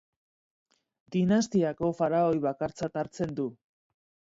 Dinastiako faraoi bakartzat hartzen du.